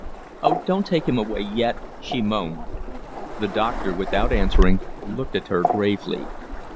"Oh, don't take him away yet," she moaned. The doctor, without answering, looked at her gravely.